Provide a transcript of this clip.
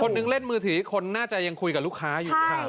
หนึ่งเล่นมือถือคนน่าจะยังคุยกับลูกค้าอยู่ค่ะ